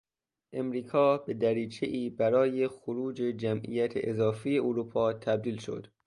امریکا به دریچهای برای خروج جمعیت اضافی اروپا تبدیل شد.